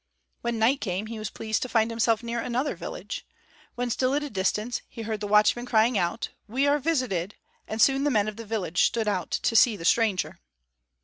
When night came, he was pleased to find himself near another village. When still at a distance he heard the watchman crying out, "We are visited," and soon the men of the village stood out to see the stranger.